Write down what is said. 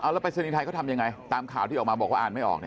แล้วปริศนีย์ไทยเขาทำยังไงตามข่าวที่ออกมาบอกว่าอ่านไม่ออก